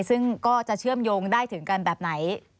ซึ่งก็จะเชื่อมโยงได้ถึงกันแบบไหน